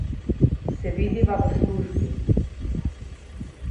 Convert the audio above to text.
Se vidiva v službi.